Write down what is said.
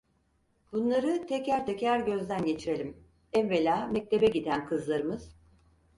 Bunları teker teker gözden geçirelim, evvela mektebe giden kızlarımız: